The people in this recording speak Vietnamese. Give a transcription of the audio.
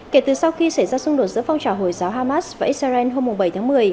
kể từ sau khi xảy ra xung đột giữa phong trào hồi giáo hamas và israel hôm bảy tháng một mươi